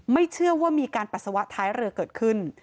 ไม่เชื่อว่ามีการปัสสาวะท้ายเรือเกิดขึ้น